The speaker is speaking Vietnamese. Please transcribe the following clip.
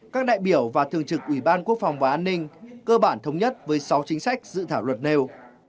các đại biểu và thường trực ủy ban quốc phòng và an ninh cơ bản thống nhất với sáu chính sách dự thảo luật nêu